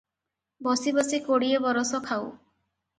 ବସି ବସି କୋଡ଼ିଏ ବରଷ ଖାଉ ।"